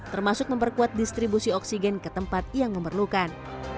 termasuk memperkuat distribusi oksigen ke tempat yang memerlukan